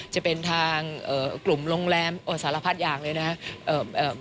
จะเป็นทางกลุ่มโรงแรมสารพัดอย่างเลยนะครับ